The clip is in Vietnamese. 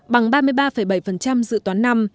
bằng ba mươi ba bảy dự toán năm